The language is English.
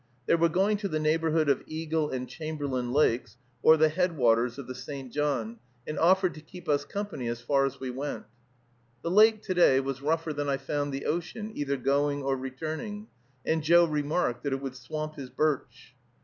They were going to the neighborhood of Eagle and Chamberlain lakes, or the head waters of the St. John, and offered to keep us company as far as we went. The lake to day was rougher than I found the ocean, either going or returning, and Joe remarked that it would swamp his birch.